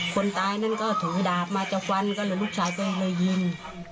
คนตายนั้นก็ถือดาบมาจะฟันก็เลยลูกชายก็เลยยิง